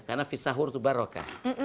karena fis sahur tuh barakah